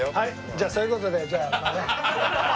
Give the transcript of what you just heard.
じゃあそういう事でじゃあ食事を。